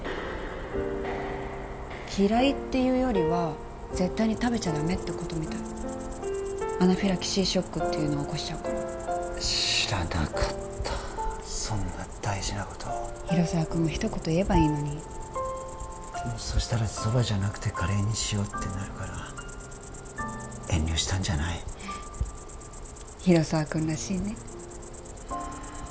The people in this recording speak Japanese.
嫌いっていうよりは絶対に食べちゃダメってことみたいアナフィラキシーショックっていうの起こしちゃうから知らなかったそんな大事なこと広沢君もひと言言えばいいのにでもそしたら蕎麦じゃなくてカレーにしようってなるから遠慮したんじゃない広沢君らしいね